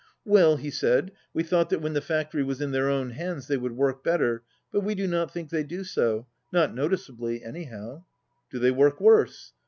"Well," he said, "we thought that when the factory was in their own hands they would work better, but we do not think they do so, not notice ably, anyhow." "Do they work worse?"